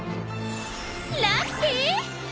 ラッキー！